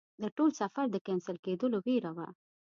د ټول سفر د کېنسل کېدلو ویره وه.